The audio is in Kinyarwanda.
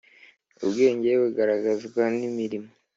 Ubwenge bugaragazwa n imirimo